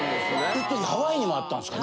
いっときハワイにもあったんっすか？